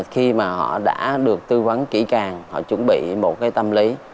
khi mà họ đã được tư vấn kỹ càng họ chuẩn bị một cái tâm lý